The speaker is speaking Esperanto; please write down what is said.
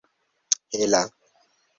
hela